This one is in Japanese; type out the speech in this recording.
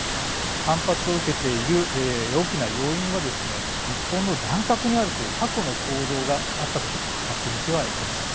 反発を受けている大きな要因は日本の乱獲にあるという過去の行動があったことも忘れてはいけません。